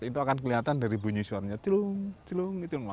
itu akan kelihatan dari bunyi suaranya celung celung celung